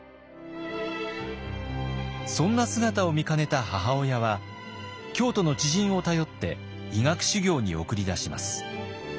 そんな姿を見かねた母親は京都の知人を頼って医学修行に送り出します。